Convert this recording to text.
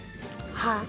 はあ。